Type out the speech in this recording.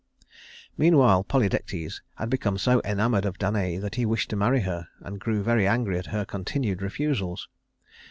Meanwhile Polydectes had become so enamored of Danaë that he wished to marry her, and grew very angry at her continued refusals.